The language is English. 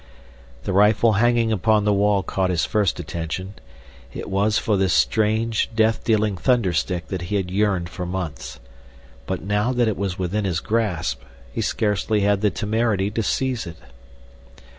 The rifle hanging upon the wall caught his first attention; it was for this strange, death dealing thunder stick that he had yearned for months; but now that it was within his grasp he scarcely had the temerity to seize it.